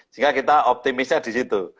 sehingga kita optimisnya di situ